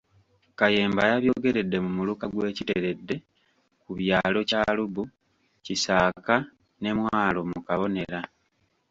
Kayemba yabyogeredde mu Muluka gw'e Kiteredde ku byalo Kyalubu, Kisaaka ne Mwalo mu Kabonera.